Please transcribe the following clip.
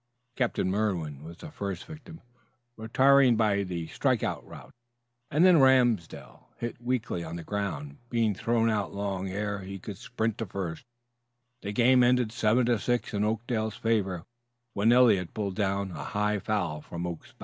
Captain Merwin was the first victim, retiring by the strike out route; and then Ramsdell hit weakly on the ground, being thrown out long ere he could sprint to first; the game ending 7 to 6 in Oakdale's favor when Eliot pulled down a high foul from Oakes' bat.